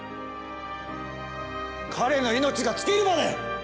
彼の命が尽きるまで！